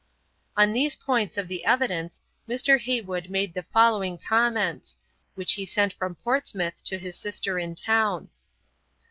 On these points of the evidence, Mr. Heywood made the following comments, which he sent from Portsmouth to his sister in town.